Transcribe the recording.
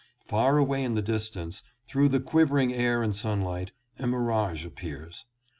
Far away in the distance, through the quivering air and sunlight, a mirage appears.